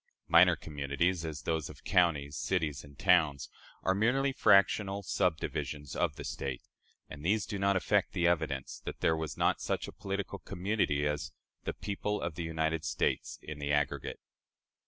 Minor communities as those of counties, cities, and towns are merely fractional subdivisions of the State; and these do not affect the evidence that there was not such a political community as the "people of the United States in the aggregate."